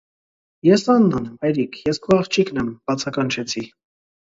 - Ես Աննան եմ, հայրիկ, ես քո աղջիկն եմ,- բացականչեցի: